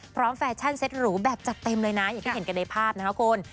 แฟชั่นเต็ตหรูแบบจัดเต็มเลยนะอย่างที่เห็นกันในภาพนะคะคุณ